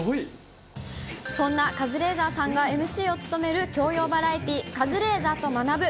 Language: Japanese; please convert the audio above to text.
そんなカズレーザーさんがＭＣを務める教養バラエティー、カズレーザーと学ぶ。